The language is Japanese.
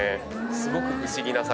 すごく不思議な魚。